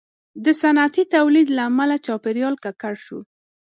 • د صنعتي تولید له امله چاپېریال ککړ شو.